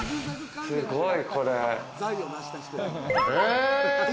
すごい、これ！